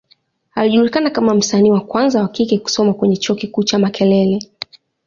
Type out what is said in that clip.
Alijulikana kama msanii wa kwanza wa kike kusoma kwenye Chuo kikuu cha Makerere.